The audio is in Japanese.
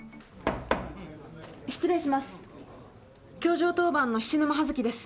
失礼します。